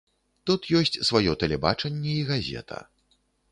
Тут ёсць сваё тэлебачанне і газета.